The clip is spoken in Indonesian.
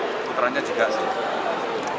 keterannya juga sih